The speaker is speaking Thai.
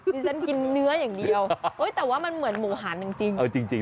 ที่ฉันกินเนื้ออย่างเดียวแต่ว่ามันเหมือนหมูหั่นจริง